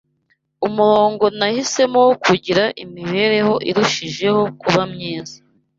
umurongo nahisemo wo kugira imibereho irushijeho kuba myiza